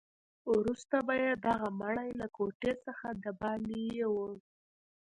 وروسته به یې دغه مړی له کوټې څخه دباندې یووړ.